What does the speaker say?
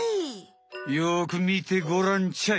よくみてごらんちゃい！